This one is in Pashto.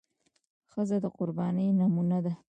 ښځه د قربانۍ نمونه ده.